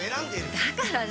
だから何？